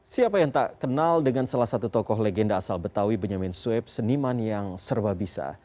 siapa yang tak kenal dengan salah satu tokoh legenda asal betawi benyamin sueb seniman yang serba bisa